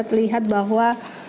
bisa terlihat barada richard eliza